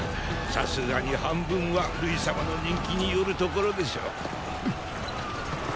さすがに半分は瑠衣様の人気によるところでしょう。！